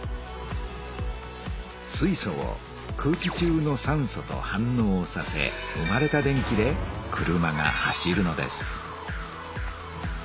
水素を空気中の酸素と反のうさせ生まれた電気で車が走るのです。